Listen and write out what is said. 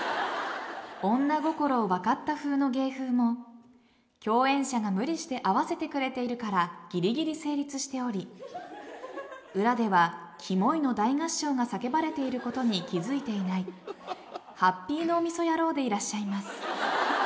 女心を分かったふうの芸風も共演者が無理して合わせてくれているからぎりぎり成立しており裏では「キモい」の大合唱が叫ばれていることに気付いていないハッピー脳みそ野郎でいらっしゃいます。